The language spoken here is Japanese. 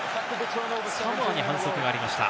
サモアに反則がありました。